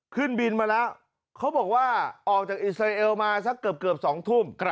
ขึ้นบินมาแล้วเขาบอกว่าออกจากอิสราเอลมาสักเกือบ๒ทุ่ม